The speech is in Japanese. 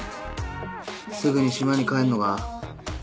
すぐに島に帰んのか？